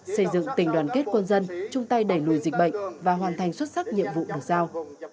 xây dựng tình đoàn kết quân dân chung tay đẩy lùi dịch bệnh và hoàn thành xuất sắc nhiệm vụ được giao